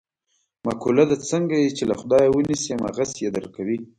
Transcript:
مقوله ده: څنګه یې چې له خدایه و نیسې هم هغسې یې در کوي.